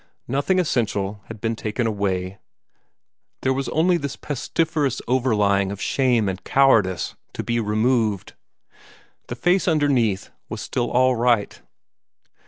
Nothing essential had been taken away. There was only this pestiferous overlaying of shame and cowardice to be removed. The face underneath was still all right.